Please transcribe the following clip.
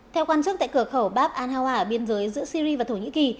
theo quan chức tại cửa khẩu bab al hawa ở biên giới giữa syri và thổ nhĩ kỳ